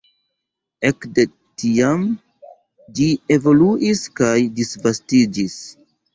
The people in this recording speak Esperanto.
Ekde tiam ĝi evoluis kaj disvastiĝis.